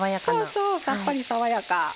そうそうさっぱり爽やか。